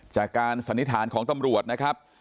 สันนิษฐานของตำรวจนะครับ